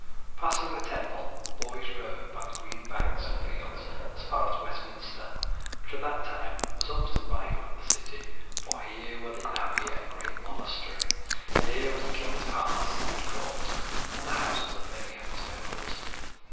Passing the Temple, the boys rowed along by the green banks and fields as far as Westminster, which at that time was almost a rival of the city, for here were the abbey and great monastery; here were the king's palace and court, and the houses of many of his nobles.